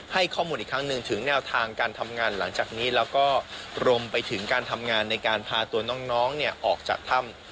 ให้ข้อมูลอีกครั้งหนึ่งถึงแนวทางการทำงานหลังจากนี้แล้วก็รวมไปถึงการทำงานในการพาตัวน้องออกจากถ้ำ